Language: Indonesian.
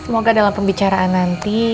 semoga dalam pembicaraan nanti